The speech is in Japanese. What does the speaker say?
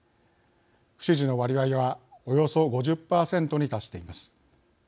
不支持の割合はおよそ５０％に達しています。